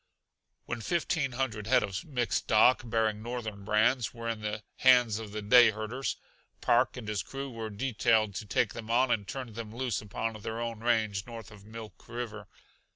When fifteen hundred head of mixed stock, bearing Northern brands, were in the hands of the day herders, Park and his crew were detailed to take them on and turn them loose upon their own range north of Milk River.